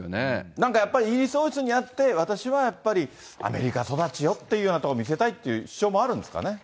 なんかやっぱりイギリス王室にあって私はやっぱり、アメリカ育ちよっていうところも見せたいっていう主張もあるんですかね。